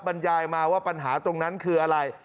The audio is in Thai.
บรรยายมาว่าปัญหาตรงนั้นคืออะไร